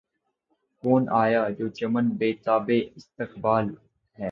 کون آیا‘ جو چمن بے تابِ استقبال ہے!